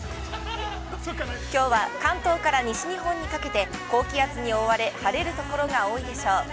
きょうは関東から西日本にかけて高気圧に覆われ、晴れるところが多いでしょう。